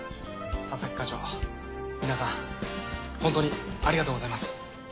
佐々木課長皆さん本当にありがとうございます。